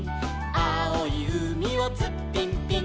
「あおいうみをツッピンピン」